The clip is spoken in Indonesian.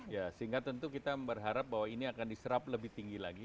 ya sehingga tentu kita berharap bahwa ini akan diserap lebih tinggi lagi